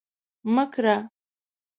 مه کره